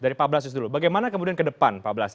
dari pak blasius dulu bagaimana kemudian ke depan pak blasi